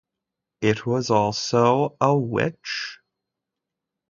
It was also a Which?